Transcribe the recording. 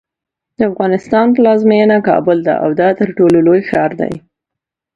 د افغانستان پلازمینه کابل ده او دا ترټولو لوی ښار دی.